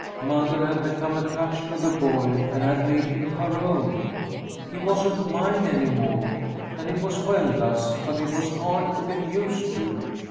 Mother had become attached to the boy and had made him her own. He wasn't mine any more. And it was well thus, but it was hard to get used to."